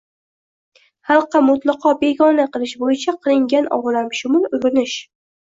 xalqqa mutlaqo begona qilish bo‘yicha qilingan olamshumul urinish